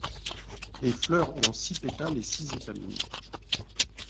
Les fleurs ont six pétales et six étamines.